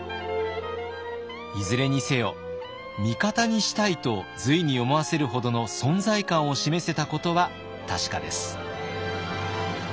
いずれにせよ「味方にしたい」と隋に思わせるほどの存在感を示せたことは確かです。